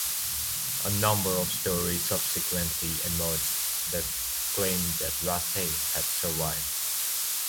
A number of stories subsequently emerged that claimed that Vasse had survived.